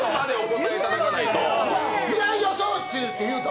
「未来予想図」て言うた。